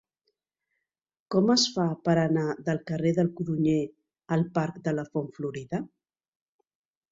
Com es fa per anar del carrer del Codonyer al parc de la Font Florida?